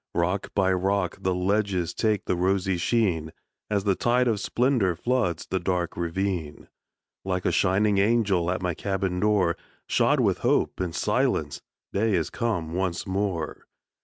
Rock by rock the ledges Take the rosy sheen, As the tide of splendor Floods the dark ravine. Like a shining angel At my cabin door, Shod with hope and silence, Day is come once more.